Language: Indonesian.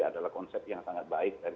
adalah konsep yang sangat baik dari